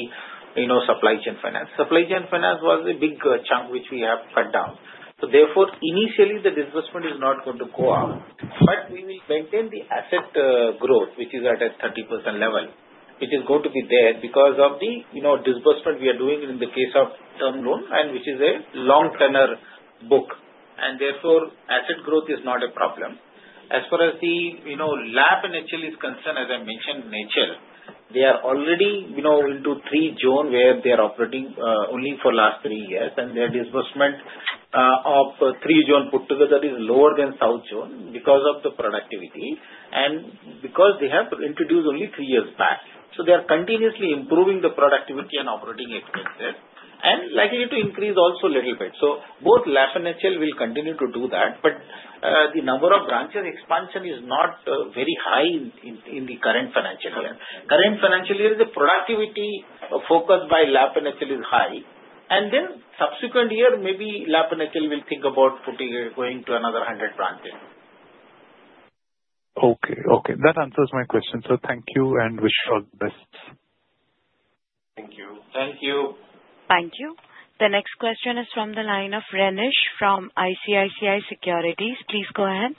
supply chain finance. Supply chain finance was a big chunk which we have cut down. Therefore, initially, the disbursement is not going to go up, but we will maintain the asset growth, which is at a 30% level, which is going to be there because of the disbursement we are doing in the case of term loan, which is a long-turner book. Therefore, asset growth is not a problem. As far as the lab and HL is concerned, as I mentioned, NHEL, they are already into three zones where they are operating only for the last three years. Their disbursement of three zones put together is lower than south zone because of the productivity and because they have introduced only three years back. They are continuously improving the productivity and operating expenses and likely to increase also a little bit. Both LAP and HL will continue to do that, but the number of branches expansion is not very high in the current financial year. Current financial year, the productivity focused by LAP and HL is high. Subsequent year, maybe LAP and HL will think about going to another 100 branches. Okay. Okay. That answers my question. Thank you and wish all the best. Thank you. Thank you. Thank you. The next question is from the line of Renish from ICICI Securities. Please go ahead.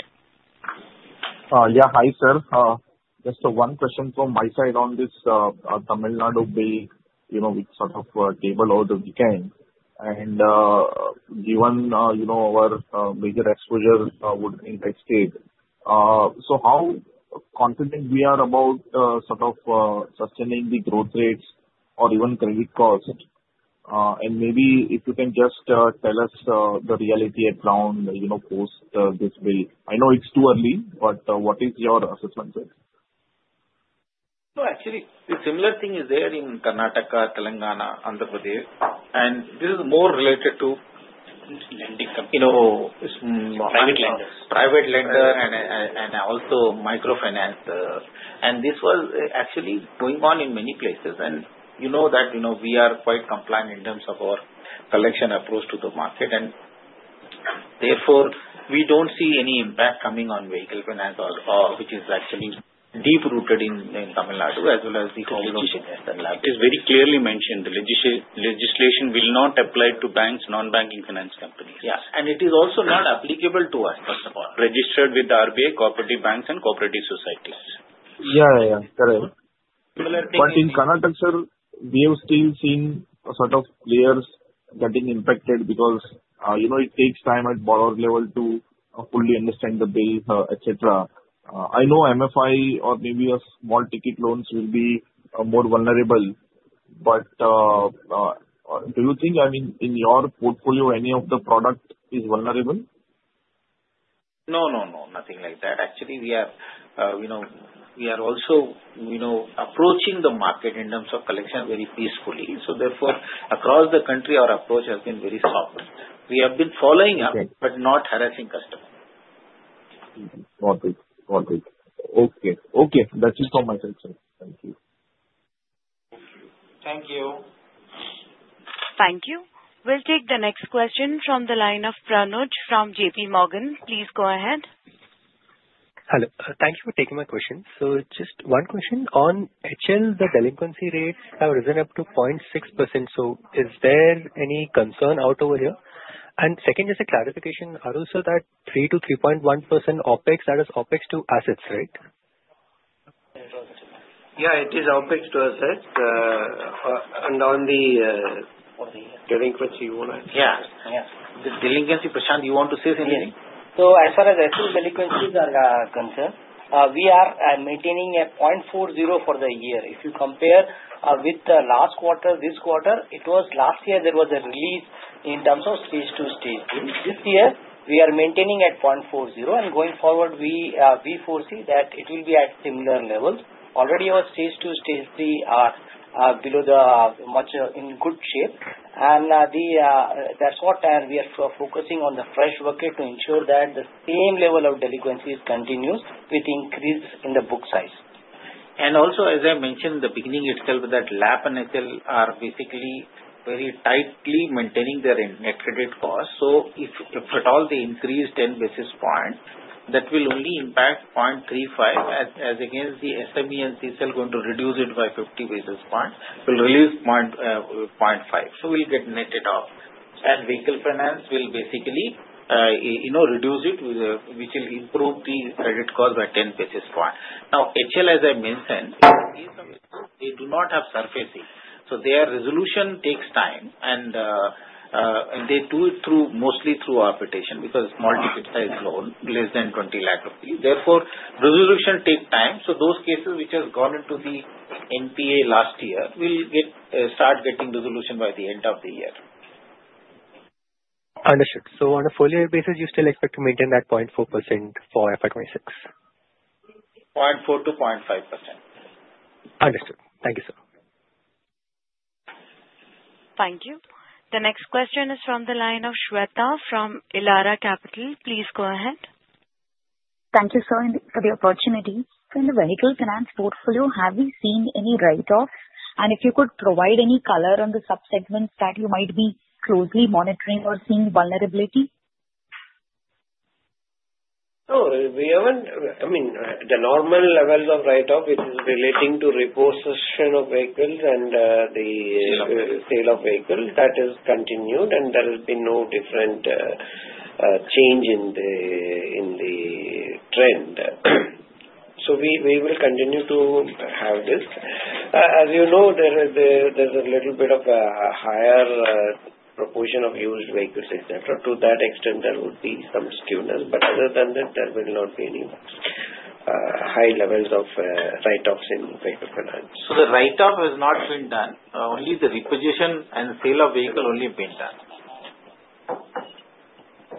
Yeah. Hi, sir. Just one question from my side on this. Tamil Nadu, we sort of gave a lot of weekend. Given our major exposure would be in the state, how confident are we about sort of sustaining the growth rates or even credit cost? Maybe if you can just tell us the reality at ground post this bill. I know it is too early, but what is your assessment? Actually, the similar thing is there in Karnataka, Telangana, Andhra Pradesh. This is more related to private lender and also microfinance. This was actually going on in many places. You know that we are quite compliant in terms of our collection approach to the market. Therefore, we do not see any impact coming on vehicle finance, which is actually deep-rooted in Tamil Nadu as well as the colocation and lab. It's very clearly mentioned. The legislation will not apply to banks, non-banking finance companies. Yeah. It is also not applicable to us, first of all, registered with the RBI, cooperative banks, and cooperative societies. Yeah. Yeah. Yeah. Correct. In Karnataka, sir, we have still seen sort of players getting impacted because it takes time at borrower level to fully understand the bill, etc. I know MFI or maybe small ticket loans will be more vulnerable. Do you think, I mean, in your portfolio, any of the product is vulnerable? No. No. No. Nothing like that. Actually, we are also approaching the market in terms of collection very peacefully. Therefore, across the country, our approach has been very soft. We have been following up but not harassing customers. Got it. Got it. Okay. Okay. That's it from my side, sir. Thank you. Thank you. Thank you. We'll take the next question from the line of Pranuj from JP Morgan. Please go ahead. Hello. Thank you for taking my question. Just one question on HL, the delinquency rates have risen up to 0.6%. Is there any concern out over here? Second, just a clarification, Arul, that 3-3.1% OPEX, that is OPEX to assets, right? Yeah. It is OPEX to assets. On the delinquency, you want to explain? Yeah. Yeah. The delinquency percent, you want to say something? As far as I see, delinquencies are concerned, we are maintaining at 0.40 for the year. If you compare with the last quarter, this quarter, it was last year there was a release in terms of stage two, stage three. This year, we are maintaining at 0.40. Going forward, we foresee that it will be at similar levels. Already, our stage two, stage three are below, much in good shape. That is what we are focusing on, the fresh bucket, to ensure that the same level of delinquencies continues with increase in the book size. Also, as I mentioned in the beginning itself, that LAP and HL are basically very tightly maintaining their net credit cost. If at all they increase 10 basis points, that will only impact 0.35 as against the SME and CSL going to reduce it by 50 basis points. It will release 0.5. We will get netted off. Vehicle finance will basically reduce it, which will improve the credit cost by 10 basis points. Now, HL, as I mentioned, in case of vehicles, they do not have SARFAESI. Their resolution takes time. They do it mostly through arbitration because small ticket size loan, less than 2,000,000 rupees. Therefore, resolution takes time. Those cases which have gone into the NPA last year will start getting resolution by the end of the year. Understood. On a four-year basis, you still expect to maintain that 0.4% for FI26? 0.4-0.5%. Understood. Thank you, sir. Thank you. The next question is from the line of Shweta from Elara Capital. Please go ahead. Thank you, sir, for the opportunity. In the vehicle finance portfolio, have we seen any write-offs? If you could provide any color on the subsegments that you might be closely monitoring or seeing vulnerability? We have not, I mean, the normal levels of write-off, which is relating to repossession of vehicles and the sale of vehicles, that has continued. There has been no different change in the trend. We will continue to have this. As you know, there is a little bit of a higher proportion of used vehicles, etc. To that extent, there would be some skewness. Other than that, there will not be any high levels of write-offs in vehicle finance. The write-off has not been done. Only the repossession and sale of vehicle only have been done.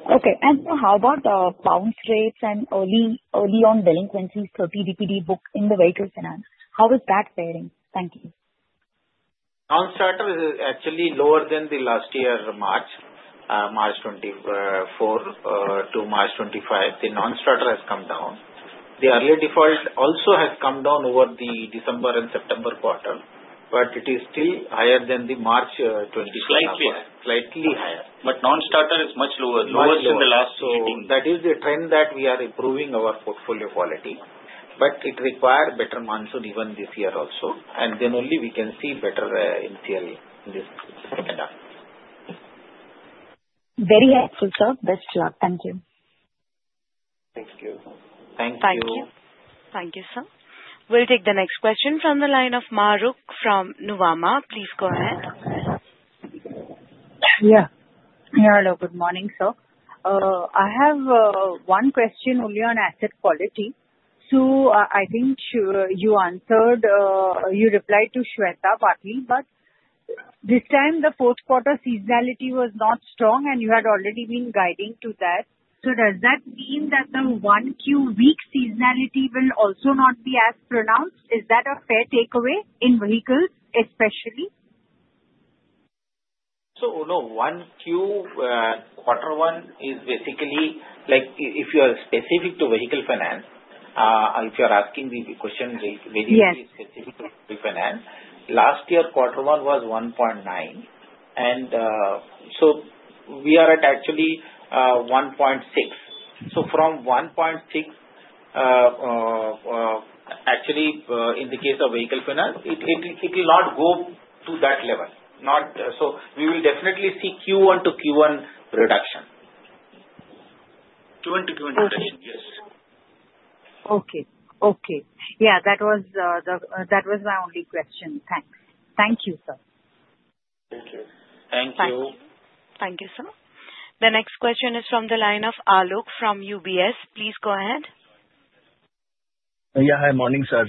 Okay. How about bounce rates and early-on delinquencies, 30 DPD book in the vehicle finance? How is that faring? Thank you. Non-starter is actually lower than the last year, March, March 2024 to March 2025. The non-starter has come down. The early default also has come down over the December and September quarter, but it is still higher than the March 2024. Slightly higher. Slightly higher. Non-starter is much lower, lower than the last meeting. That is the trend that we are improving our portfolio quality. It requires better monsoon even this year also. Only then we can see better in theory in this sector. Very helpful, sir. Best of luck. Thank you. Thank you. Thank you. Thank you. Thank you, sir. We'll take the next question from the line of Mahrukh from Nuvama. Please go ahead. Yeah. Yeah. Hello. Good morning, sir. I have one question only on asset quality. I think you replied to Shweta partly, but this time, the Q4 seasonality was not strong, and you had already been guiding to that. Does that mean that the one Q week seasonality will also not be as pronounced? Is that a fair takeaway in vehicles especially? No. One Q, quarter one is basically if you are specific to vehicle finance, if you are asking me the question very specifically to finance, last year quarter one was 1.9. We are at actually 1.6. From 1.6, actually, in the case of vehicle finance, it will not go to that level. We will definitely see Q1 to Q1 reduction. Q1 to Q1 reduction, yes. Okay. Okay. Yeah. That was my only question. Thanks. Thank you, sir. Thank you. Thank you. Thank you. Thank you, sir. The next question is from the line of Aluk from UBS. Please go ahead. Yeah. Hi, morning, sir.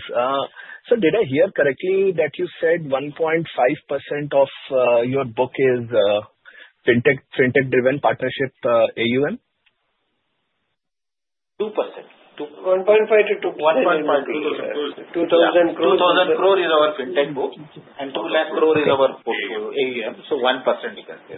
Did I hear correctly that you said 1.5% of your book is fintech-driven partnership AUM? 2%. 1.5-2%. 1.5-2%. 2,000 crore. 2,000 crore is our fintech book. 2,000 crore is our AUM. You can say that is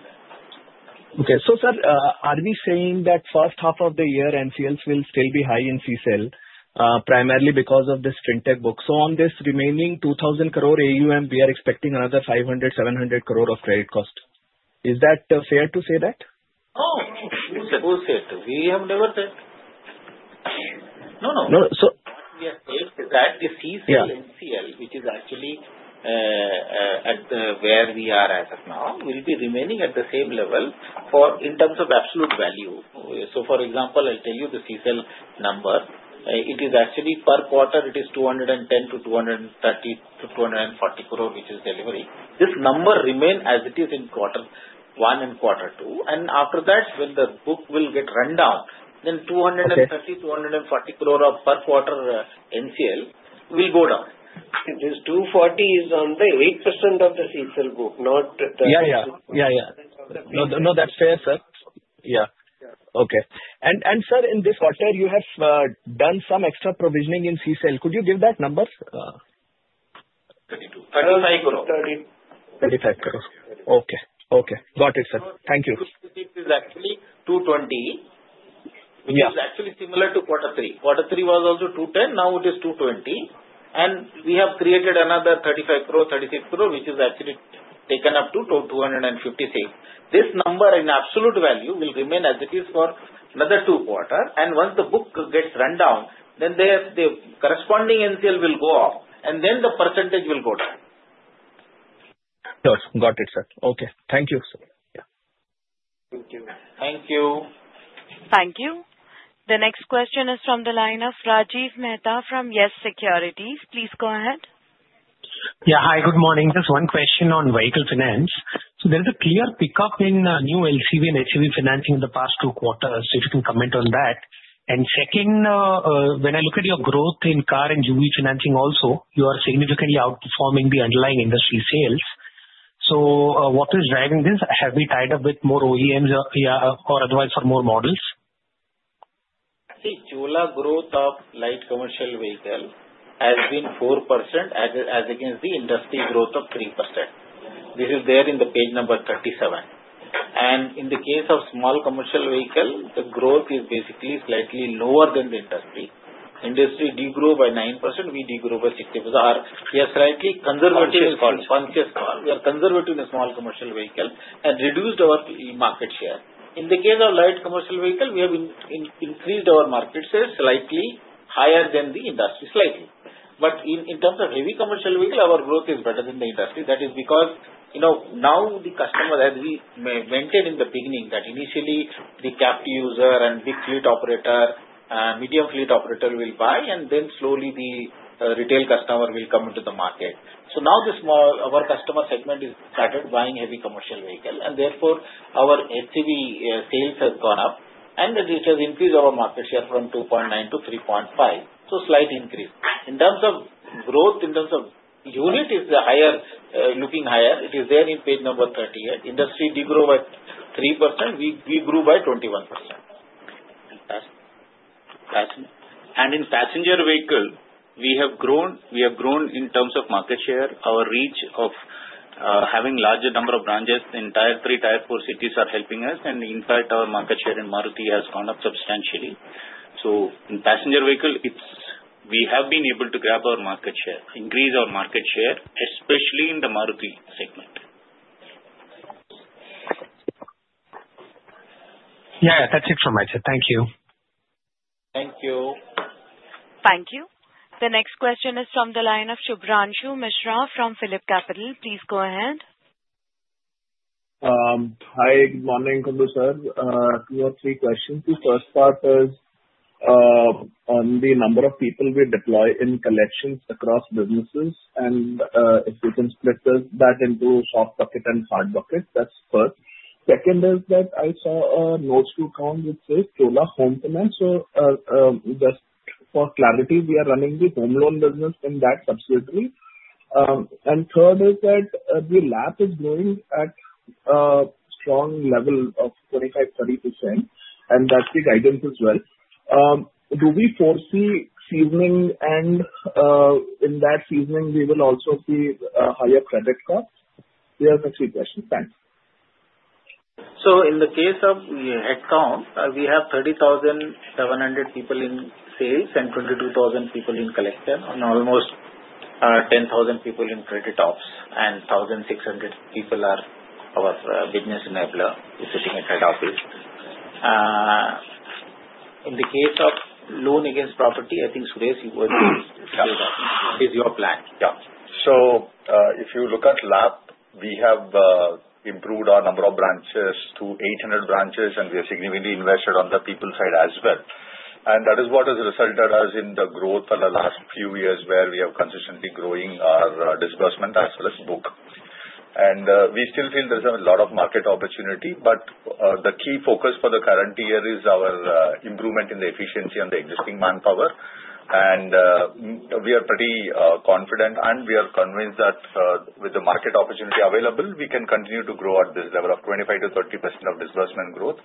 1%. Okay. Sir, are we saying that first half of the year NCLs will still be high in CSL primarily because of this fintech book? On this remaining 2,000 crore AUM, we are expecting another 500-700 crore of credit cost. Is that fair to say that? Oh, who said? We have never said. No. No. What we have said is that the CSL and CL, which is actually where we are as of now, will be remaining at the same level in terms of absolute value. For example, I'll tell you the CSL number. It is actually per quarter, it is 210 crore-230 crore-INR 240 crore, which is delivery. This number remains as it is in quarter one and quarter two. After that, when the book will get run down, then 230 crore-240 crore per quarter NCL will go down. 240 crore is on the 8% of the CSL book, not the. Yeah. Yeah. Yeah. No, that's fair, sir. Yeah. Okay. Sir, in this quarter, you have done some extra provisioning in CSL. Could you give that number? 32.35 crore. 35 crore. Okay. Okay. Got it, sir. Thank you. This is actually 220, which is actually similar to quarter three. Quarter three was also 210. Now it is 220. We have created another 35 crore, 36 crore, which is actually taken up to 256 crore. This number in absolute value will remain as it is for another two quarters. Once the book gets run down, the corresponding NCL will go up. The percentage will go down. Got it, sir. Okay. Thank you, sir. Yeah. Thank you. Thank you. Thank you. The next question is from the line of Rajiv Mehta from Yes Securities. Please go ahead. Yeah. Hi, good morning. Just one question on vehicle finance. There is a clear pickup in new LCV and HCV financing in the past two quarters. If you can comment on that. When I look at your growth in car and UV financing also, you are significantly outperforming the underlying industry sales. What is driving this? Have we tied up with more OEMs or otherwise for more models? Actually, Chola growth of light commercial vehicle has been 4% as against the industry growth of 3%. This is there in the page number 37. In the case of small commercial vehicle, the growth is basically slightly lower than the industry. Industry degrew by 9%. We degrew by 6%. We are slightly conservative in small commercial vehicle. We are conservative in small commercial vehicle and reduced our market share. In the case of light commercial vehicle, we have increased our market share slightly higher than the industry, slightly. In terms of heavy commercial vehicle, our growth is better than the industry. That is because now the customer, as we maintained in the beginning, that initially the capped user and big fleet operator, medium fleet operator will buy, and then slowly the retail customer will come into the market. Our customer segment has started buying heavy commercial vehicle. Therefore, our HCV sales have gone up. It has increased our market share from 2.9% to 3.5%. Slight increase. In terms of growth, in terms of unit, it is looking higher. It is there in page number 38. Industry degrew by 3%. We grew by 21%. Fantastic. Fantastic. In passenger vehicle, we have grown in terms of market share. Our reach of having a larger number of branches, entire three, entire four cities are helping us. In fact, our market share in Maruti has gone up substantially. In passenger vehicle, we have been able to grab our market share, increase our market share, especially in the Maruti segment. Yeah. That's it from my side. Thank you. Thank you. Thank you. The next question is from the line of Subhranshu Mishra from PhillipCapital. Please go ahead. Hi. Good morning, Kumbhu Sir. Two or three questions. The first part is on the number of people we deploy in collections across businesses. If we can split that into soft bucket and hard bucket, that's first. Second is that I saw a notes to account that says Chola Home Finance. Just for clarity, we are running the home loan business in that subsidiary. Third is that the LAP is growing at a strong level of 25%-30%. That's the guidance as well. Do we foresee seasoning? In that seasoning, will we also see higher credit costs? These are the three questions. Thanks. In the case of headcount, we have 30,700 people in sales and 22,000 people in collection, and almost 10,000 people in credit ops. 1,600 people are our business enabler sitting at head office. In the case of loan against property, I think Suresh, you were the—that is your plan. Yeah. If you look at LAP, we have improved our number of branches to 800 branches. We have significantly invested on the people side as well. That is what has resulted us in the growth in the last few years where we are consistently growing our disbursement as well as book. We still feel there is a lot of market opportunity. The key focus for the current year is our improvement in the efficiency on the existing manpower. We are pretty confident. We are convinced that with the market opportunity available, we can continue to grow at this level of 25%-30% of disbursement growth,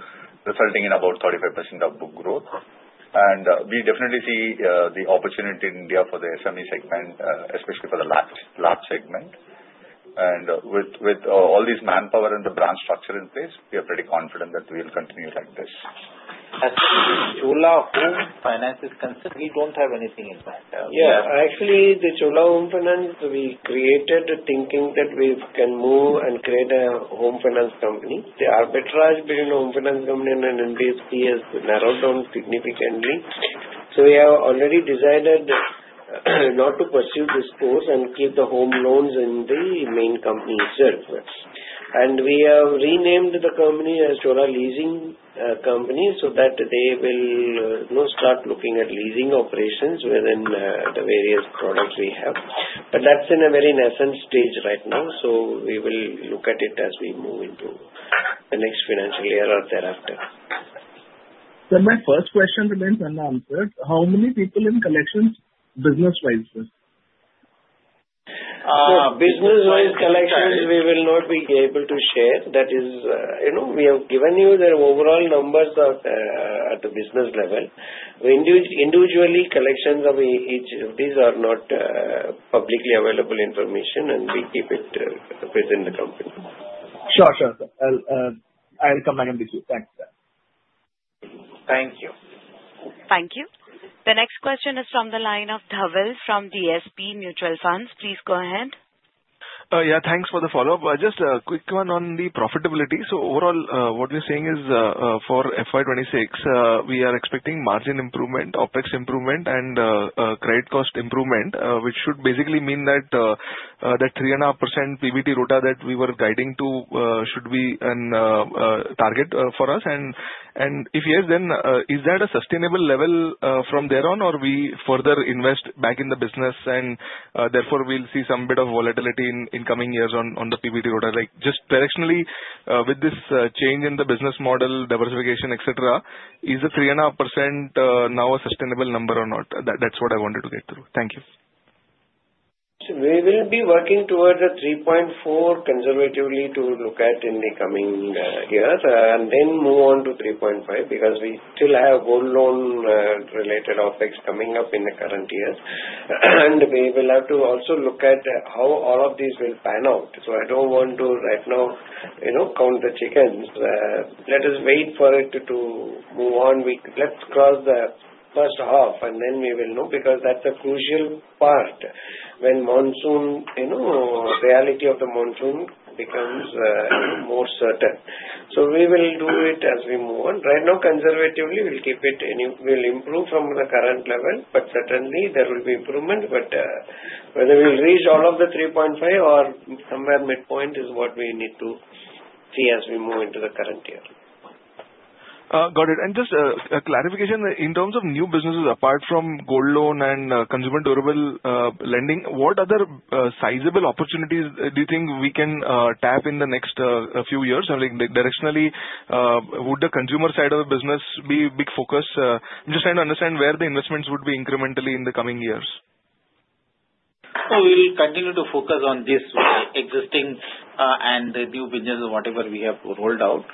resulting in about 35% of book growth. We definitely see the opportunity in India for the SME segment, especially for the LAP segment. With all this manpower and the branch structure in place, we are pretty confident that we will continue like this. As for the Chola Home Finance is concerned, we don't have anything in mind. Yeah. Actually, the Chola Home Finance, we created thinking that we can move and create a home finance company. The arbitrage between a home finance company and an NBFC has narrowed down significantly. We have already decided not to pursue this course and keep the home loans in the main company itself. We have renamed the company as Chola Leasing Company so that they will start looking at leasing operations within the various products we have. That is in a very nascent stage right now. We will look at it as we move into the next financial year or thereafter. My first question remains unanswered. How many people in collections business-wise, sir? Business-wise collections, we will not be able to share. That is, we have given you the overall numbers at the business level. Individually, collections of each of these are not publicly available information. We keep it within the company. Sure. Sure. I'll come back and visit you. Thanks. Thank you. Thank you. The next question is from the line of Dhavil from DSP Mutual Fund. Please go ahead. Yeah. Thanks for the follow-up. Just a quick one on the profitability. Overall, what we're saying is for FY 2026, we are expecting margin improvement, OPEX improvement, and credit cost improvement, which should basically mean that that 3.5% PBT ROTA that we were guiding to should be a target for us. If yes, then is that a sustainable level from there on, or we further invest back in the business? Therefore, we'll see some bit of volatility in coming years on the PBT ROTA. Just directionally, with this change in the business model, diversification, etc., is the 3.5% now a sustainable number or not? That's what I wanted to get through. Thank you. We will be working towards a 3.4 conservatively to look at in the coming years and then move on to 3.5 because we still have whole loan-related OPEX coming up in the current years. We will have to also look at how all of these will pan out. I do not want to right now count the chickens. Let us wait for it to move on. Let's cross the first half, and then we will know because that's a crucial part when the reality of the monsoon becomes more certain. We will do it as we move on. Right now, conservatively, we'll keep it. We'll improve from the current level, but certainly, there will be improvement. Whether we'll reach all of the 3.5 or somewhere midpoint is what we need to see as we move into the current year. Got it. Just a clarification. In terms of new businesses, apart from gold loan and consumer durable lending, what other sizable opportunities do you think we can tap in the next few years? Directionally, would the consumer side of the business be a big focus? I'm just trying to understand where the investments would be incrementally in the coming years. We'll continue to focus on this existing and the new business, whatever we have rolled out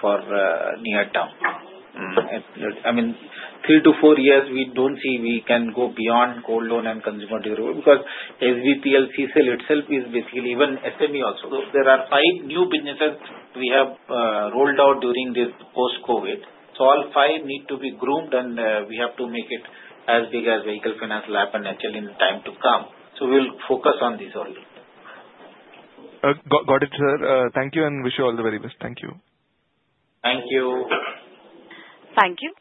for near term. I mean, three to four years, we don't see we can go beyond gold loan and consumer durable because SBPL, CSEL itself is basically even SME also. There are five new businesses we have rolled out during this post-COVID. All five need to be groomed, and we have to make it as big as vehicle finance, lab, and HL in time to come. We'll focus on this only. Got it, sir. Thank you and wish you all the very best. Thank you. Thank you. Thank you.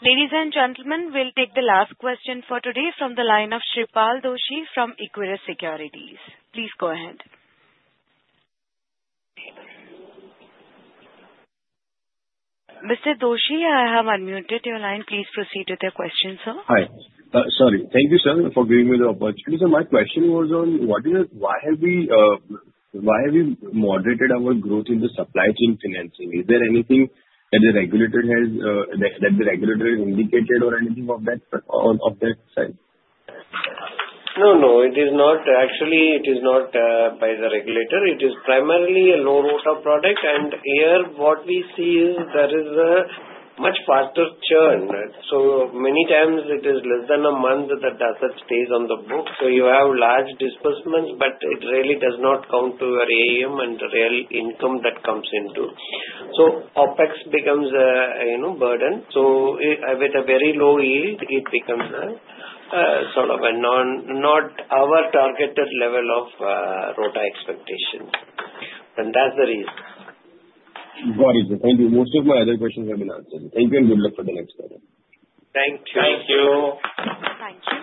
Ladies and gentlemen, we'll take the last question for today from the line of Shreepal Doshi from Equirus Securities. Please go ahead. Mr. Doshi, I have unmuted your line. Please proceed with your question, sir. Hi. Sorry. Thank you, sir, for giving me the opportunity. My question was on why have we moderated our growth in the supply chain financing? Is there anything that the regulator has indicated or anything of that size? No, no. Actually, it is not by the regulator. It is primarily a low-ROTA product. Here, what we see is there is a much faster churn. Many times, it is less than a month that stays on the book. You have large disbursements, but it really does not count to your AUM and real income that comes in. OpEx becomes a burden. With a very low yield, it becomes sort of not our targeted level of ROTA expectation. That is the reason. Got it. Thank you. Most of my other questions have been answered. Thank you and good luck for the next quarter. Thank you. Thank you. Thank you.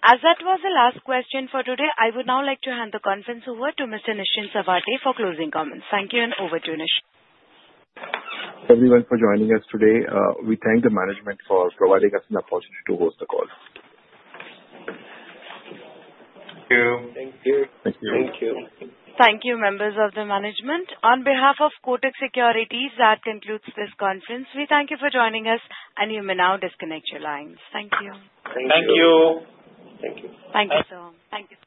As that was the last question for today, I would now like to hand the conference over to Mr. Nischint Chawathe for closing comments. Thank you and over to Nischint. Thank you, everyone, for joining us today. We thank the management for providing us an opportunity to host the call. Thank you. Thank you. Thank you. Thank you, members of the management. On behalf of Kotak Securities, that concludes this conference. We thank you for joining us, and you may now disconnect your lines. Thank you. Thank you. Thank you. Thank you. Thank you.